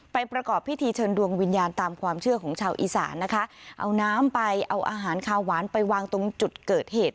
ประกอบพิธีเชิญดวงวิญญาณตามความเชื่อของชาวอีสานนะคะเอาน้ำไปเอาอาหารคาวหวานไปวางตรงจุดเกิดเหตุ